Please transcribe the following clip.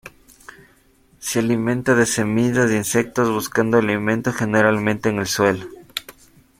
Se alimenta de semillas e insectos, buscando alimento generalmente en el suelo.